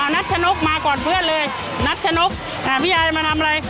นัทชนกมาก่อนเพื่อนเลยนัชนกพี่ยายมาทำอะไร